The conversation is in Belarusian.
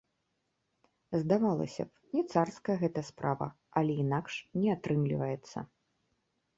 Здавалася б, не царская гэта справа, але інакш не атрымліваецца.